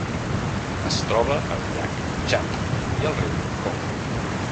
Es troba al llac Txad i al riu Congo.